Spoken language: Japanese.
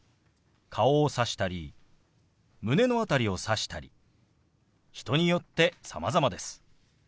顔をさしたり胸の辺りをさしたり人によってさまざまです。